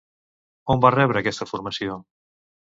On va rebre aquesta formació?